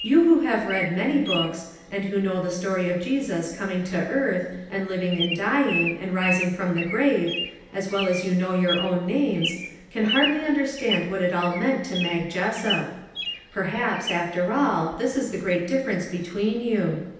You who have read many books, and who know the story of Jesus coming to earth, and living and dying, and rising from the grave, as well as you know your own names, can hardly un derstand what it all meant to Mag Jessup. Per haps, after all, this is the great difference be tween you.